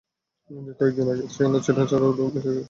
ঈদের কয়েক দিন আগের সেই চিরচেনা রূপ পেয়ে গেছে নগর সিলেট।